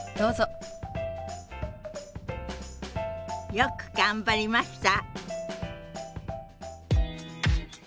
よく頑張りました。